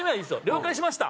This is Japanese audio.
「了解しました」。